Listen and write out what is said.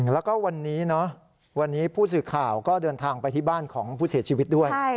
แล้วก็วันนี้วันนี้ผู้สื่อข่าวก็เดินทางไปที่บ้านของผู้เสียชีวิตด้วย